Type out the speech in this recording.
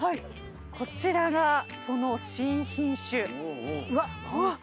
こちらがその新品種。